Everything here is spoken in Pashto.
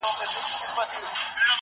لېونی یې که بې برخي له حیا یې؟ ,